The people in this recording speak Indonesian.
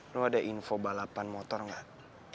lo ada info balapan motor gak